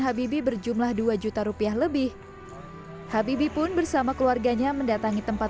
habibie berjumlah dua juta rupiah lebih habibi pun bersama keluarganya mendatangi tempat